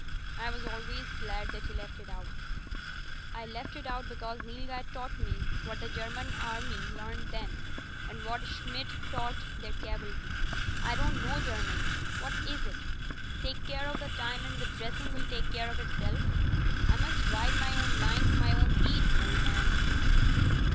"I was always glad that you left it out." "I left it out because Nilghai taught me what the Germany army learned then, and what Schmidt taught their cavalry. I don't know German. What is it? "Take care of the time and the dressing will take care of itself." I must ride my own line to my own beat, old man."